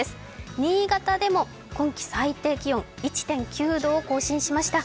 新潟でも今期最低気温１．９度を更新しました。